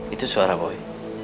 itu suara boy